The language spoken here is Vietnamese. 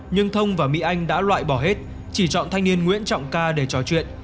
nhưng thông và mỹ anh đã loại bỏ hết chỉ chọn thanh niên nguyễn trọng ca để trò chuyện